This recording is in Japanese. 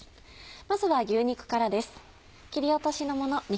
まずは牛肉からです。